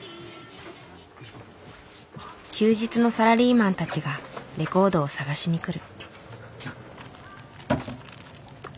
休日のサラリーマンたちがレコードを探しに来る。